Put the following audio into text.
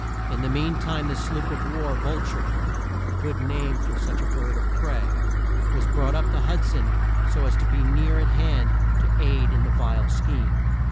In the mean time the sloop of war Vul ture a good name for such a bird of prey was brought up the Hud son so as to be near at hand to aid in the vile scheme.